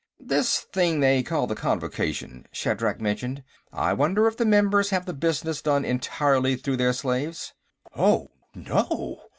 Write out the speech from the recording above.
"This thing they call the Convocation," Shatrak mentioned. "I wonder if the members have the business done entirely through their slaves." "Oh, no!"